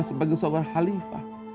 sebagai seorang halifah